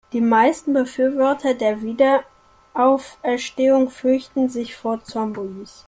Die meisten Befürworter der Wiederauferstehung fürchten sich vor Zombies.